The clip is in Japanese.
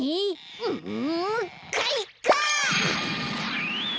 んかいか！